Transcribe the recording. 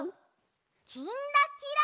「きんらきら」。